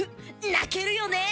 泣けるよねえ！